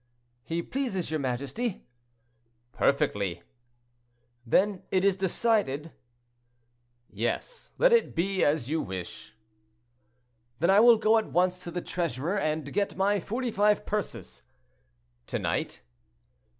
"He pleases your majesty?" "Perfectly." "Then it is decided?" "Yes; let it be as you wish." "Then I will go at once to the treasurer, and get my forty five purses." "To night?"